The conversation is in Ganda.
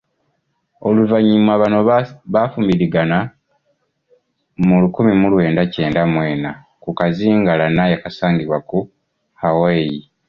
Oluvannyuma bano baafumbirigana mu lukumi mu lwenda kyenda mu ena ku kazinga Lanai akasangibwa mu Hawai.